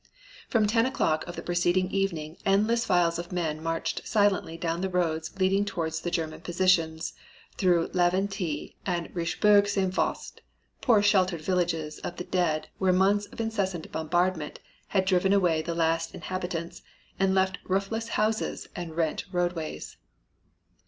"From ten o'clock of the preceding evening endless files of men marched silently down the roads leading towards the German positions through Laventie and Richebourg St. Vaast, poor shattered villages of the dead where months of incessant bombardment have driven away the last inhabitants and left roofless houses and rent roadways....